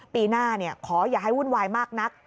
ปีหน้าขออย่าให้วุ่นวายมากนัก